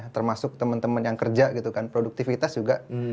termasuk teman teman yang kerja gitu kan produktivitas juga